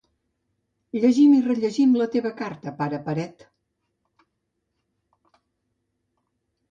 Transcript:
Llegim i rellegim la teva carta, pare paret.